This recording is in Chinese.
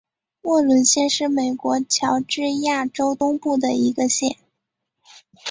沃伦县是美国乔治亚州东部的一个县。